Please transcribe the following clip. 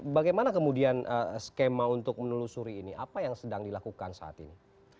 bagaimana kemudian skema untuk menelusuri ini apa yang sedang dilakukan saat ini